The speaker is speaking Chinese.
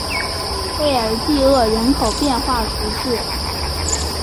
贝尔济厄人口变化图示